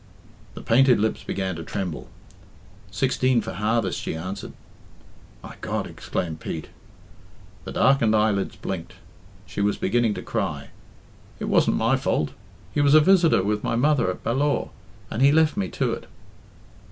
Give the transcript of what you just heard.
The painted lips began to tremble. "Sixteen for harvest," she answered. "My God!" exclaimed Pete. The darkened eyelids blinked; she was beginning to cry. "It wasn't my fault. He was a visitor with my mother at Ballaugh, and he left me to it."